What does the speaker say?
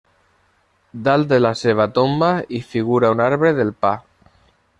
Dalt de la seva tomba hi figura un arbre del pa.